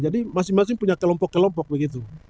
jadi masing masing punya kelompok kelompok begitu